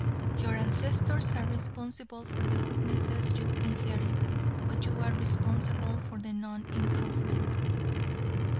Your ancestors are responsible for the weaknesses you inherit, but you are responsible for non improvement.